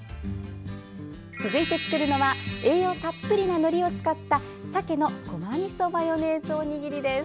続いて作るのは栄養たっぷりなのりを使ったさけのごまみそマヨネーズおにぎりです。